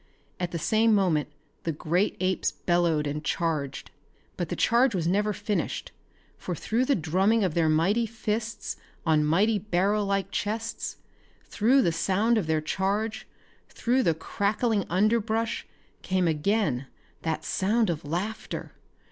At the same moment the great apes bellowed and charged. But the charge was never finished, for through the drumming of their mighty fists on mighty barrel like chests, through the sound of their charge, through the crackling underbrush came again that sound of laughter.